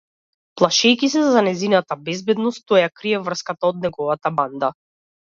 Плашејќи се за нејзината безбедност, тој ја крие врската од неговата банда.